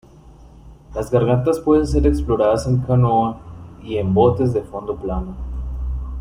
Las gargantas pueden ser exploradas en canoa y en botes de fondo plano.